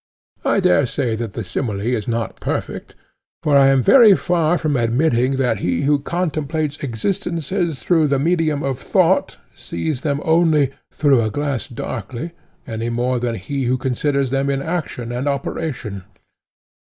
I dare say that the simile is not perfect—for I am very far from admitting that he who contemplates existences through the medium of thought, sees them only 'through a glass darkly,' any more than he who considers them in action and operation.